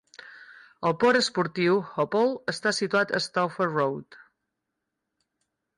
El port esportiu Oppold està situat en Stouffer Road.